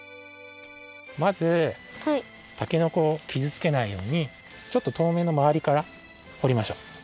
まずたけのこをきずつけないようにちょっととおめのまわりからほりましょう。